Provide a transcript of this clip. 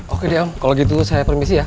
oke deh om kalau gitu saya permisi ya